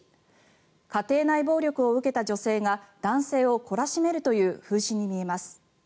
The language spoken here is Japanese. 家庭内暴力を受けた女性が男性を懲らしめるという風刺に見えます。